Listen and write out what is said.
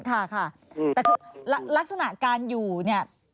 แต่คือลักษณะการอยู่เนี่ย